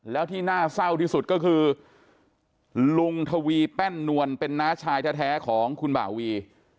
แล้วที่น่าเศร้าที่สุดก็คือลุงทวีแป้นนวลเป็นน้าชายแท้ของคุณบ่าวี